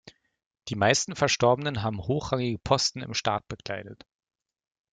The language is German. Die meisten Verstorbenen haben hochrangige Posten im Staat bekleidet.